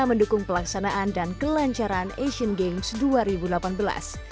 mendukung pelaksanaan dan kelancaran asian games dua ribu delapan belas